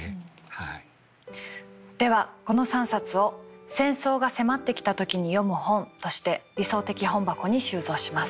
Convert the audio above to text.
ではこの３冊を「戦争が迫ってきた時に読む本」として理想的本箱に収蔵します。